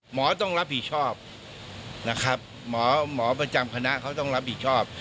ต้องรับผิดชอบนะครับหมอหมอประจำคณะเขาต้องรับผิดชอบ